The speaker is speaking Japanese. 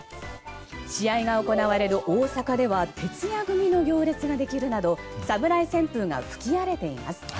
試合が行われる大阪では徹夜組の行列ができるなど侍旋風が吹き荒れています。